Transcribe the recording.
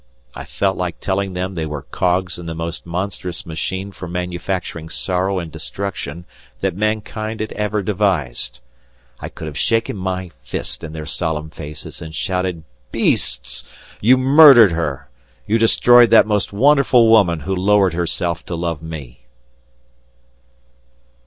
I felt like telling them they were cogs in the most monstrous machine for manufacturing sorrow and destruction that mankind had ever devised. I could have shaken my fist in their solemn faces and shouted "Beasts! you murdered her! You destroyed that most wonderful woman who lowered herself to love me."